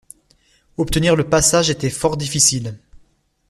Obtenir le passage était fort difficile.